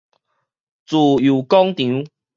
自由廣場